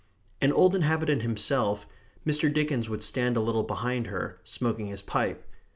An old inhabitant himself, Mr. Dickens would stand a little behind her, smoking his pipe.